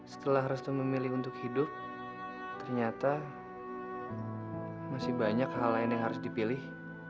setelah restu memilih untuk hidup ternyata masih banyak hal lain yang harus dipilih